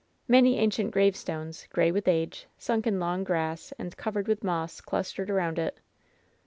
Many ancient gravestones, gray with age, sunk in long grass and covered with moss, clustered around it.